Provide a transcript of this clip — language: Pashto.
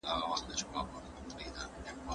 ما شتمني د معیار په توګه ونه منله.